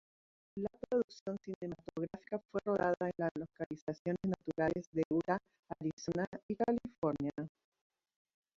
La producción cinematográfica fue rodada en en localizaciones naturales de Utah, Arizona y California.